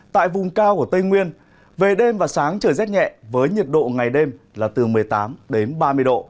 tại vùng cao của tây nguyên về đêm và sáng trời rét nhẹ với nhiệt độ ngày đêm là từ một mươi tám đến ba mươi độ